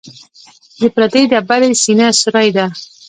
د پرتې ډبرې سینه سورۍ ده.